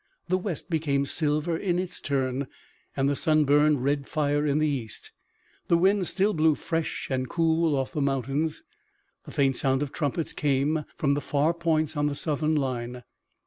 The west became silver in its turn, and the sun burned red fire in the east. The wind still blew fresh and cool off the mountains. The faint sound of trumpets came from far points on the Southern line.